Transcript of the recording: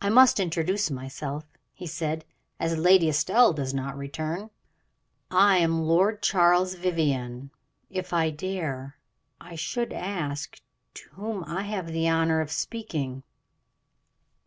"I must introduce myself," he said, "as Lady Estelle does not return I am Lord Charles Vivianne if I dare, I should ask to whom I have the honor of speaking."